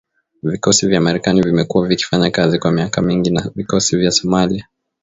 Vikosi vya Marekani vimekuwa vikifanya kazi kwa miaka mingi na vikosi vya Somalia.